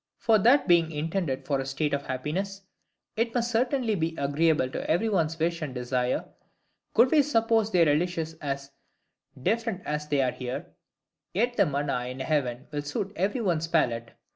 For that being intended for a state of happiness, it must certainly be agreeable to every one's wish and desire: could we suppose their relishes as different there as they are here, yet the manna in heaven will suit every one's palate.